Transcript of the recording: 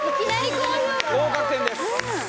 合格点です。